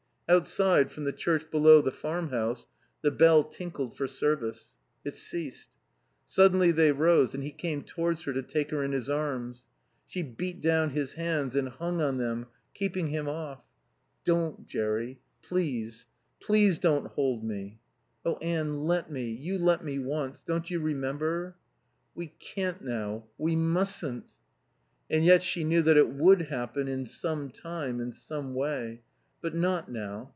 Outside, from the church below the farm house, the bell tinkled for service. It ceased. Suddenly they rose and he came towards her to take her in his arms. She beat down his hands and hung on them, keeping him off. "Don't, Jerry, please, please don't hold me." "Oh Anne, let me. You let me once. Don't you remember?" "We can't now. We mustn't." And yet she knew that it would happen in some time, in some way. But not now.